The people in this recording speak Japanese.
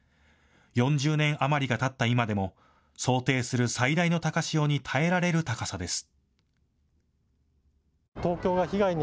４０年余りがたった今でも想定する最大の高潮に耐えられる高さです。